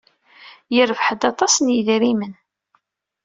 Yerbeḥ-d aṭas n yidrimen.